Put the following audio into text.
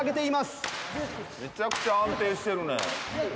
めちゃくちゃ安定してるね。